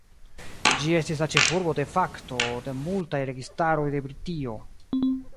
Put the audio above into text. Ĝi estis la ĉefurbo "de facto" de multaj registaroj de Britio.